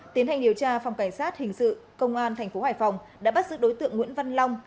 tiến hành điều tra phòng cảnh sát hình sự công an thành phố hải phòng đã bắt giữ đối tượng nguyễn văn long